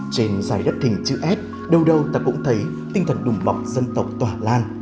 trên dài đất thình chữ s đâu đâu ta cũng thấy tinh thần đùm bọc dân tộc tỏa lan